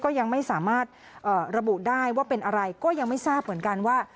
ยังไม่สามารถระบุได้ว่าเป็นอะไรก็ยังไม่ทราบเหมือนกันว่า